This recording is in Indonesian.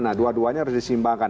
nah dua duanya harus disimbangkan